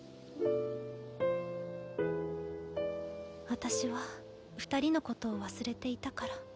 私は二人のことを忘れていたから。